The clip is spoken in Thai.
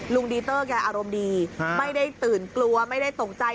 ดีเตอร์แกอารมณ์ดีไม่ได้ตื่นกลัวไม่ได้ตกใจ